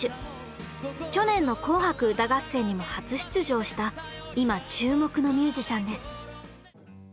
去年の「紅白歌合戦」にも初出場した今注目のミュージシャンです。